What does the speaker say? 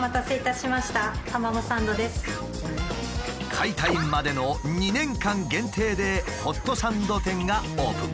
解体までの２年間限定でホットサンド店がオープン。